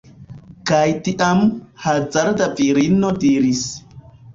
Kaj tiam, hazarda virino diris: